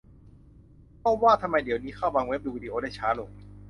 - ก็ว่าทำไมเดี๋ยวนี้เข้าบางเว็บ ดูวีดีโอได้ช้าลง